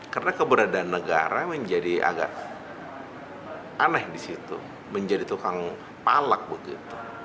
karena keberadaan negara menjadi agak aneh disitu menjadi tukang palak begitu